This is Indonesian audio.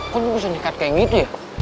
kok lu bisa nikah kayak gitu ya